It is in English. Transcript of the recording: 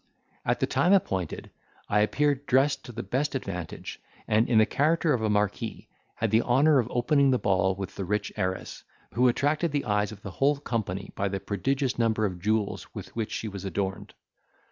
At the time appointed I appeared dressed to the best advantage; and, in the character of a Marquis, had the honour of opening the ball with the rich heiress, who attracted the eyes of the whole company by the prodigious number of jewels with which she was adorned.